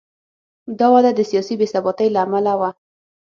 دا وده د سیاسي بې ثباتۍ له امله و.